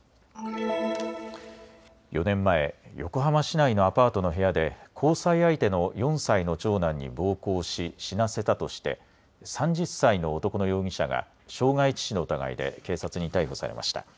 ４年前、横浜市内のアパートの部屋で交際相手の４歳の長男に暴行し死なせたとして３０歳の男の容疑者が傷害致死の疑いで警察に逮捕されました。